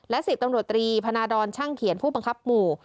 ๑๐ตำรวจตรีพนาดรช่างเขียนผู้บังคับหมู่